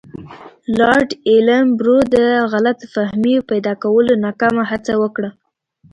لارډ ایلن برو د غلط فهمۍ پیدا کولو ناکامه هڅه وکړه.